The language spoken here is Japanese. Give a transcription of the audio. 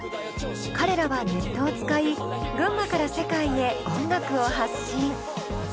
彼らはネットを使い群馬から世界へ音楽を発信。